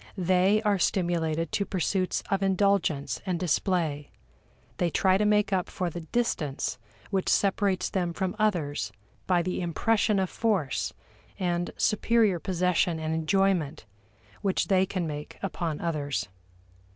They are stimulated to pursuits of indulgence and display; they try to make up for the distance which separates them from others by the impression of force and superior possession and enjoyment which they can make upon others.